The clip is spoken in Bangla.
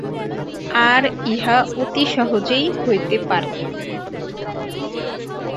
আর ইহা অতি সহজেই হইতে পারে।